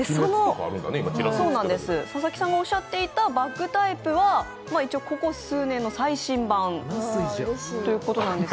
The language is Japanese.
佐々木さんがおっしゃっていたバッグタイプはここ数年の最新版ということなんです。